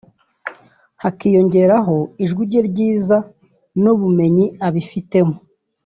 hakiyongeraho ijwi rye ryiza n’ubumenyi abifitemo